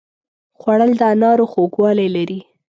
خوړل د انارو خوږوالی لري